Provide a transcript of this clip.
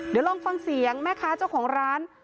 เดี๋ยวลองฟังเสียงแม่ค้าเจ้าของร้าน